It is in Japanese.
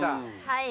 はい。